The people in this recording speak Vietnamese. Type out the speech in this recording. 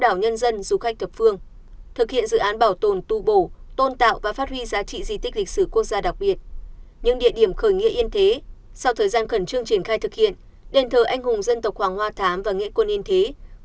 lòng trọng tổ chức lễ khánh thành công trình đền thờ anh hùng dân tộc hoàng hoa viii và nghĩa quân yên thế